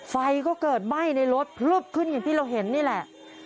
ไฟก็เกิดไหม้ในรถพลึบขึ้นอย่างที่เราเห็นนี่แหละ